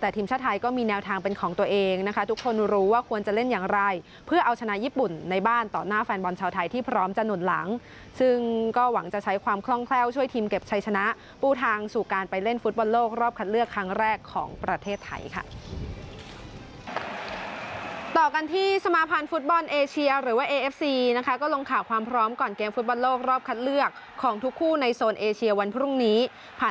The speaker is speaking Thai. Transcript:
แต่ทีมชาติไทยก็มีแนวทางเป็นของตัวเองนะคะทุกคนรู้ว่าควรจะเล่นอย่างไรเพื่อเอาชนะญี่ปุ่นในบ้านต่อหน้าแฟนบอลชาวไทยที่พร้อมจะหนุนหลังซึ่งก็หวังจะใช้ความคล่องแคล่วช่วยทีมเก็บชัยชนะปูทางสู่การไปเล่นฟุตบอลโลกรอบคัดเลือกครั้งแรกของประเทศไทยค่ะ